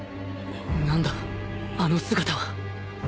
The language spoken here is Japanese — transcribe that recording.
何だあの姿は